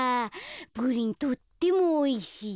プリンとってもおいしい。